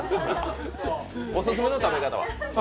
オススメの食べ方は？